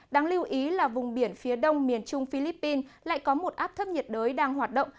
đáng lưu ý là vùng biển phía đông miền trung philippines lại có một áp thấp nhiệt đới đang hoạt động